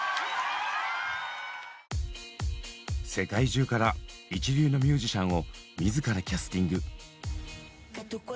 世界中から一流のミュージシャンを自らキャスティング。